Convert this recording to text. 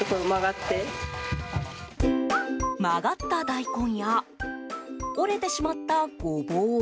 曲がった大根や折れてしまったゴボウ。